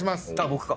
僕か。